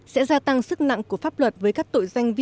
sẽ gia tăng sức nặng của pháp luật